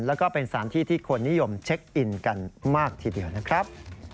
แล้วก็เป็นสถานที่ที่คนนิยมเช็คอินกันมากทีเดียวนะครับ